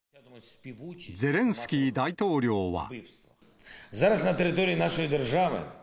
ゼレンスキー大統領は。